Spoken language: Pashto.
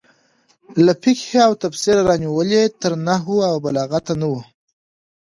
له فقهې او تفسیره رانیولې تر نحو او بلاغته نه وو.